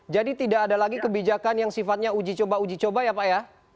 jadi tidak ada lagi kebijakan yang sifatnya uji coba coba ya pak ya